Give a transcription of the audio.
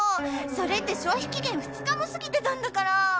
それって消費期限２日も過ぎてたんだから！